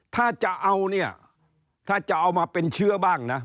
ถ้าจะเอามาเป็นเชื้อบ้างนะ